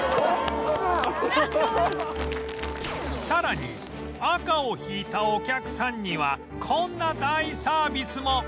さらに赤を引いたお客さんにはこんな大サービスも